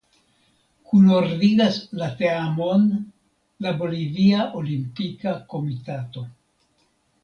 Kunordigas la teamon la Bolivia Olimpika Komitato.